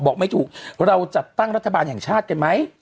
ไม่ถูกเราจัดตั้งรัฐบาลแห่งชาติกันไหม